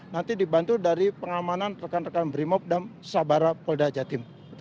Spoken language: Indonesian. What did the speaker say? nanti dibantu dari pengamanan rekan rekan brimob dan sabara polda jatim